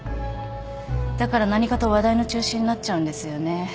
だから何かと話題の中心になっちゃうんですよね。